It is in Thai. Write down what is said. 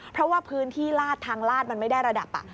เพราะว่าพื้นที่ลาดทางลาดมันไม่ได้ระดับ